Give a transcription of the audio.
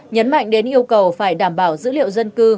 nhấn mạnh đến yêu cầu phải đảm bảo dữ liệu dân cư